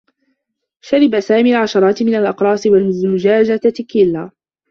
شرب سامي العشرات من الأقراص و زجاجة تيكيلا.